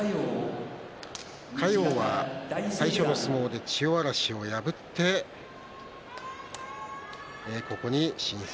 嘉陽、最初の相撲で千代嵐を破ってここに進出。